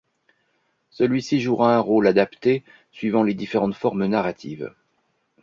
Celui-ci jouera un rôle adapté suivant les différentes formes narratives.